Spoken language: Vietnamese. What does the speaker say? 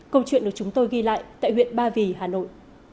câu chuyện được chúng tôi ghi lại tại huyện ba vì hà nội